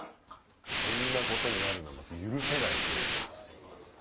そんなことになるのは許せないですね。